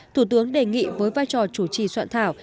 thủ tướng đề nghị với vai trò chủ trì soạn thảo